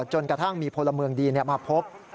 จนกระทั่งมีพลเมืองดีมาพบ